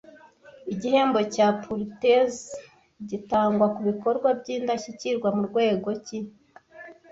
Igihembo cya Pulitzer gitangwa kubikorwa by'indashyikirwa murwego ki